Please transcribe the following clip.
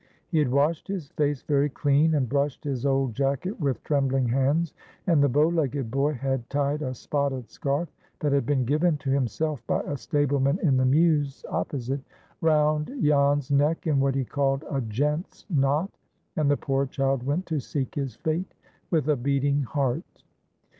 He had washed his face very clean, and brushed his old jacket with trembling hands, and the bow legged boy had tied a spotted scarf, that had been given to himself by a stableman in the mews opposite, round Jan's neck in what he called "a gent's knot," and the poor child went to seek his fate with a beating heart.